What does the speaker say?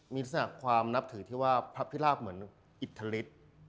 มีลักษณะความนับถือที่ว่าพระพิราบเหมือนอิทธิฤทธิ์